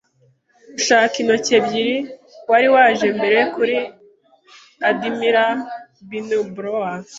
ushaka intoki ebyiri, wari waje mbere kuri Admiral Benbow.